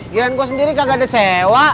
gilang gue sendiri gak ada sewa